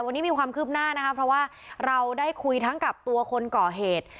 วันนี้มีความคืบหน้านะคะเพราะว่าเราได้คุยทั้งกับตัวคนก่อเหตุ